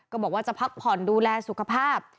บอกว่าจะพักผ่อนดูแลสุขภาพ